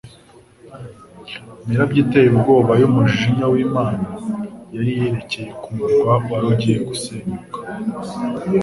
Imirabyo iteye ubwoba y'umujinya w'Imana yari yerekeye ku murwa wari ugiye gusenyuka.